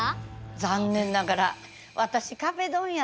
残念ながら私壁ドンやったらね